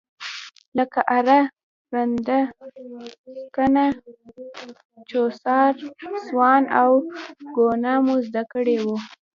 لکه اره، رنده، سکنه، چوسار، سوان او ګونیا مو زده کړي وو.